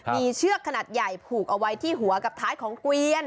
มีเชือกขนาดใหญ่ผูกเอาไว้ที่หัวกับท้ายของเกวียน